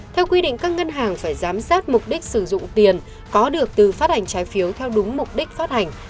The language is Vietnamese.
theo quy định các ngân hàng phải giám sát mục đích sử dụng tiền có được từ phát hành trái phiếu theo đúng mục đích phát hành